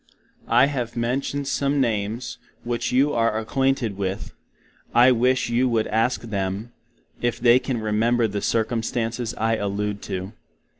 I have mentioned some names which you are aquainted with: I wish you would Ask them, if they can remember the Circumstances I alude to.